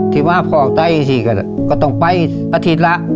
ที่ว่าพ่อตายอีกทีก็ต้องไปอาทิตย์ละ